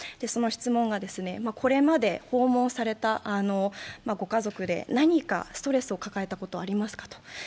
その質問がこれまで訪問された御家族で何かストレスを抱えたことはありますかと。